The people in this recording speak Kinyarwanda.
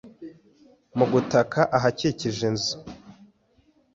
mu gutaka ahakikije inzu